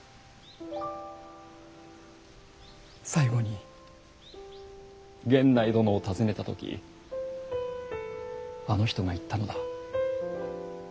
最後に源内殿をたずねた時あの人が言ったのだ。